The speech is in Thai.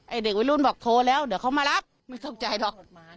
ไอ้เด็กวิรุณบอกโทรแล้วเดี๋ยวเขามารักไม่ทรงใจหรอก